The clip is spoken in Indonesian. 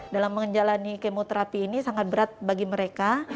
dalam menjalani kemoterapi ini sangat berat bagi mereka